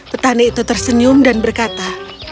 petani itu tersenyum dan berkata